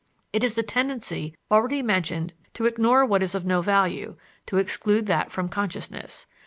It is the tendency already mentioned to ignore what is of no value, to exclude that from consciousness.